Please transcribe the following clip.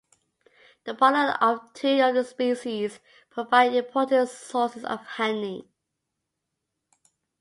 The pollen of two of the species provides important sources of honey.